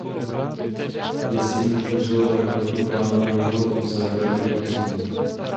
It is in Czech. Jensen vytvořil základní plán a navrhl zahrady panství.